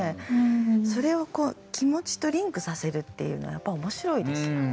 それを気持ちとリンクさせるっていうのはやっぱり面白いですよね。